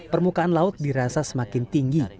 permukaan laut dirasa semakin tinggi